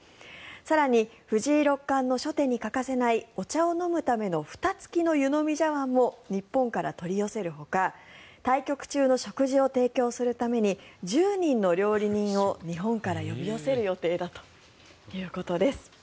更に藤井六冠の初手に欠かせないお茶を飲むためのふた付きの湯飲み茶わんも日本から取り寄せるほか対局中の食事を提供するために１０人の料理人を日本から呼び寄せる予定だということです。